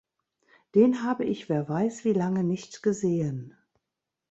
Den habe ich wer weiss wie lange nicht gesehen.